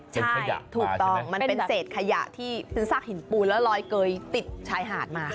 ขยะถูกต้องมันเป็นเศษขยะที่เป็นซากหินปูนแล้วลอยเกยติดชายหาดมา